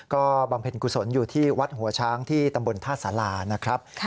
ก็บำเพ็ญกุศลอยู่ที่วัดหัวช้างที่ตำบลท่าสารานะครับ